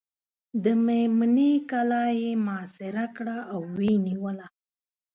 د مېمنې کلا یې محاصره کړه او ویې نیوله.